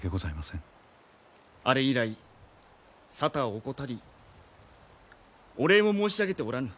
あれ以来沙汰を怠りお礼も申し上げておらぬ。